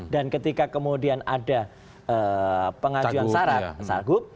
dan ketika kemudian ada pengajuan saraghe